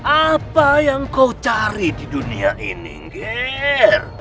apa yang kau cari di dunia ini ger